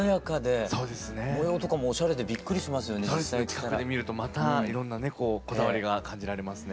近くで見るとまたいろんなねこだわりが感じられますね。